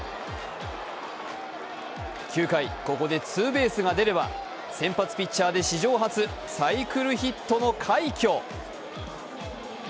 ９回、ここでツーベースが出れば先発ピッチャーで史上初サイクルヒットの快挙。